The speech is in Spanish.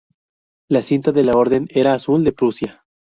La "cinta" de la Orden era azul de prusia.